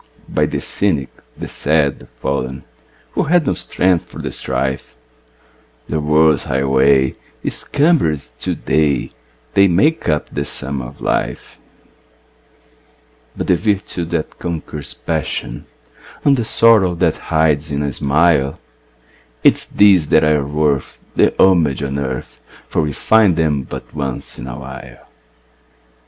By the cynic, the sad, the fallen, Who had no strength for the strife, The world's highway is cumbered to day They make up the sum of life; But the virtue that conquers passion, And the sorrow that hides in a smile It is these that are worth the homage on earth, For we find them but once in a while.